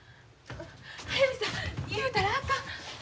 速水さん言うたらあかん！